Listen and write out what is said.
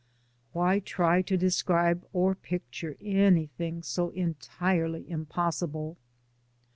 Why try to describe or picture anything so entirely impossible?